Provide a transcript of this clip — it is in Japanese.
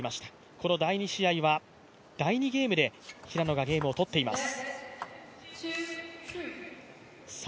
この第２試合は、第２ゲームで平野がゲームを取っています。